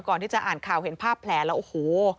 ก่อนที่จะอ่านข่าวเห็นภาพแผลแล้วโอ้โห